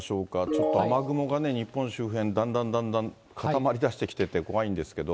ちょっと雨雲がね、日本周辺、だんだんだんだん固まりだしてきてて、怖いんですけど。